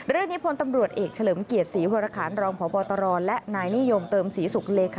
พลตำรวจเอกเฉลิมเกียรติศรีวรคารรองพบตรและนายนิยมเติมศรีศุกร์เลขา